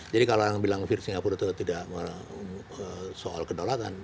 jadi kalau orang bilang vir singapura itu tidak soal kedaulatan